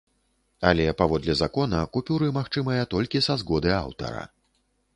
Але, паводле закона, купюры магчымыя толькі са згоды аўтара.